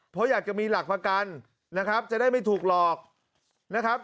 เพราะอยากจะมีหลักประกันนะครับจะได้ไม่ถูกหลอกนะครับ